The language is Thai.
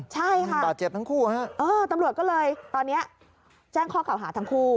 ใช่ค่ะตำรวจก็เลยตอนนี้แจ้งข้อข่าวหาทั้งคู่